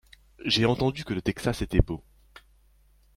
J’ai entendu que le Texas était beau.